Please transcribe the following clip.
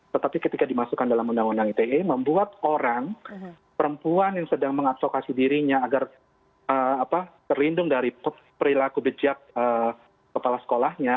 tetapi ketika dimasukkan dalam undang undang ite membuat orang perempuan yang sedang mengadvokasi dirinya agar terlindung dari perilaku bejak kepala sekolahnya